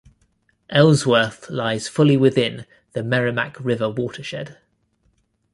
Ellsworth lies fully within the Merrimack River watershed.